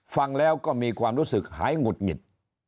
ฟังแล้วก็มีความรู้สึกหายหงุดหงิด